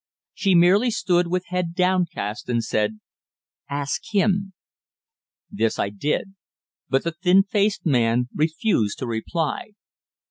She merely stood with head downcast, and said "Ask him." This I did, but the thin faced man refused to reply.